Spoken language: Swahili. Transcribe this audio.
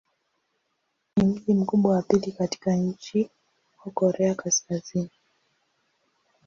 Ni mji mkubwa wa pili katika nchi wa Korea Kaskazini.